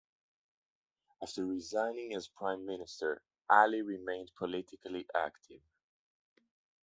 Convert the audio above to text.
After resigning as prime minister, Ali remained politically active.